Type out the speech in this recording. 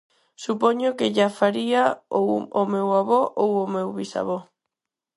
Supoño que lla faría ou o meu avó ou o meu bisavó.